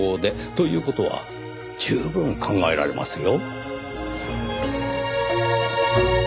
という事は十分考えられますよ。